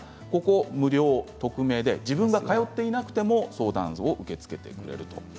無料、匿名で自分がかかっていなくても相談を受け付けているそうです。